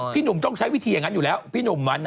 หนุ่มต้องใช้วิธีอย่างนั้นอยู่แล้วพี่หนุ่มมัน